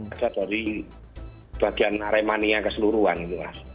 ada dari bagian aremania keseluruhan itu mas